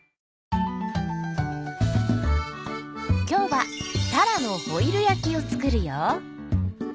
今日はたらのホイル焼きを作るよ。